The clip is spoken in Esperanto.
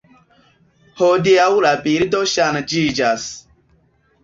Hodiaŭ la bildo ŝanĝiĝas.